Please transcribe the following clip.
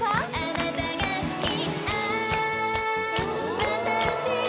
あなたが好き！